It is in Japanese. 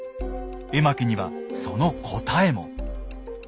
絵巻にはその答えも。